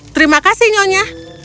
terima kasih nyonya